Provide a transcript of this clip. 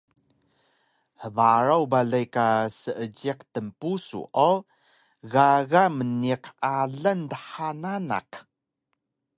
Hbaraw balay ka seejiq tnpusu o gaga mniq alang dha nanaq